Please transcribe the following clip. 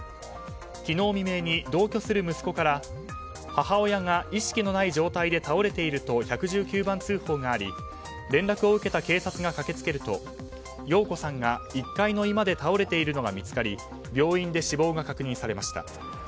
昨日未明に同居する息子から母親が意識のない状態で倒れていると１１９番通報があり連絡を受けた警察が駆けつけると陽子さんが１階の居間で倒れているのが見つかり病院で死亡が確認されました。